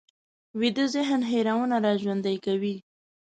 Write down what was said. ویده ذهن هېرونه راژوندي کوي